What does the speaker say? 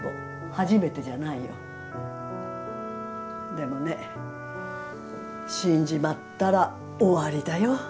でもね死んじまったら終わりだよ。